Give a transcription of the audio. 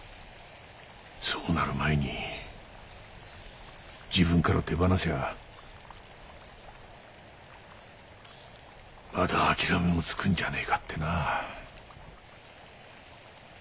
そうなる前に自分から手放せばまだあきらめもつくんじゃねえかってなあ。